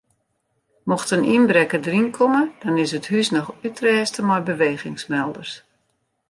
Mocht in ynbrekker deryn komme dan is it hús noch útrêste mei bewegingsmelders.